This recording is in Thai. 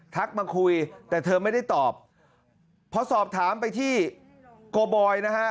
มาคุยแต่เธอไม่ได้ตอบพอสอบถามไปที่โกบอยนะฮะ